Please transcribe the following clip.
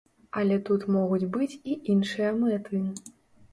Але тут могуць быць і іншыя мэты.